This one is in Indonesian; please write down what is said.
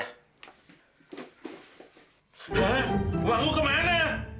hah uangmu ke mana